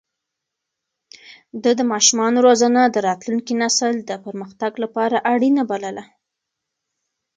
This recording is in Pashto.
ده د ماشومانو روزنه د راتلونکي نسل د پرمختګ لپاره اړينه بلله.